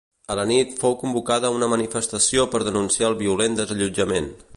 A la nit, fou convocada una manifestació per denunciar el violent desallotjament.